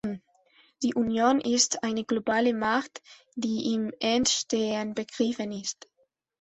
Die Union ist eine globale Macht, die im Entstehen begriffen ist.